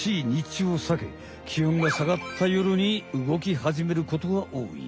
ちゅうをさけ気温がさがった夜に動き始めることがおおい。